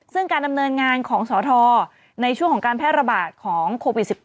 ซึ่งการดำเนินงานของสอทรในช่วงของการแพร่ระบาดของโควิด๑๙